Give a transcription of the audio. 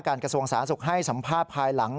การกระทรวงสานะสุขให้สัมภาพภายหลัง